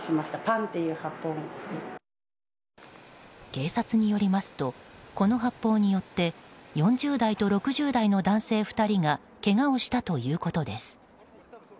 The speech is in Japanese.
警察によりますとこの発砲によって４０代と６０代の男性２人がけがをしたということです。